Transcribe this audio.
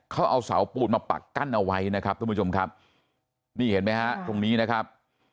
เขาเอาเสาปูนมาปักกั้นเอาไว้นะครับทุกผู้ชมครับนี่เห็นไหมฮะตรงนี้นะครับ